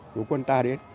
của quân ta đến